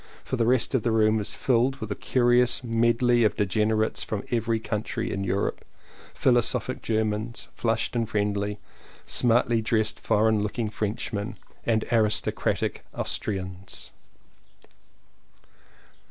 For the rest the room is filled with a curious medley of degenerates from every country in Europe — philosophic Germans, flushed 228 LLEWELLYN POWYS and friendly; smartly dressed foreign look ing Frenchmen, and aristocratic Austrians.